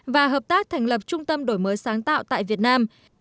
và hợp tác thành lập trung tâm đổi mới sáng tạo tại việt nam